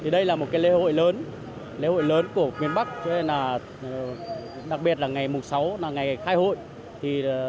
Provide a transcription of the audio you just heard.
đây là một lễ hội lớn của miền bắc đặc biệt là ngày mùng sáu là ngày khai hội